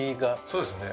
そうですね